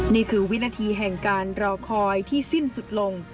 นี่คือวินาทีแห่งการรอคอยที่สิ้นสุดลง